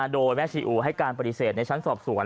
โดยแม่ชีอูให้การปฏิเสธในชั้นสอบสวน